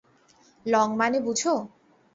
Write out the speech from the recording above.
Long মানে বুঝো?